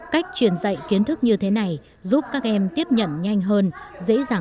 cách truyền dạy kiến thức như thế này giúp các em tiếp nhận tiếp nhận tiếp nhận tiếp nhận